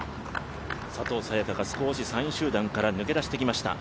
佐藤早也伽が少し３位集団から抜け出してきました。